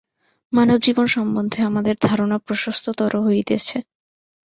মানবজীবন সম্বন্ধে আমাদের ধারণা প্রশস্ততর হইতেছে।